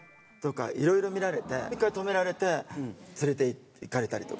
１回止められて連れていかれたりとか。